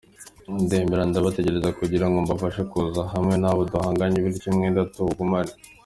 Ndemera ndabategereza kugira ngo mbafashe kuza hamwe nabo duhanganye bityo umwenda tuwugumane.